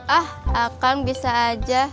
ah akan bisa aja